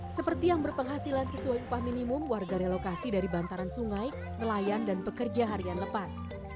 seperti yang berpenghasilan sesuai upah minimum warga relokasi dari bantaran sungai nelayan dan pekerja harian lepas